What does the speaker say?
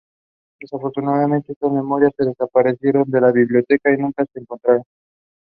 He worked in Antwerp and is known for two works depicting battle scenes.